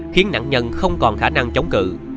khiến nạn nhân không còn khả năng chống cự